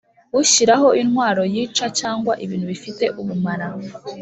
ushyira intwaro yica cyangwa ibintu bifite ubumara